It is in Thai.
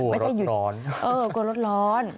ไม่ใช่หยุดเออกลัวร้อน